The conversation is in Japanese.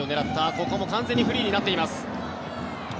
ここも完全にフリーになっています。